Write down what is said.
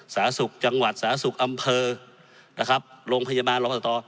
สหสุกจังหวัดสหสุกอำเภอโรงพยาบาลรกษตร